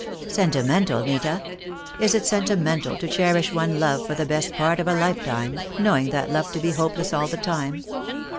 "Sentimental, Nita! Is it sentimental to cherish one love for the best part of a lifetime, knowing that love to be hopeless all the time?